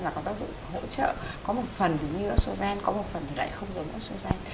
và có tác dụng hỗ trợ có một phần thì như estrogen có một phần thì lại không giống estrogen